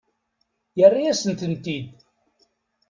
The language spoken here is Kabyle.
Yerra-yasen-tent-id.